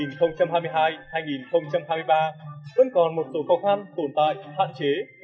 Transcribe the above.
năm hai nghìn hai mươi hai hai nghìn hai mươi ba vẫn còn một số khó khăn tồn tại hạn chế